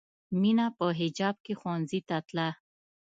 مینه په حجاب کې ښوونځي ته تله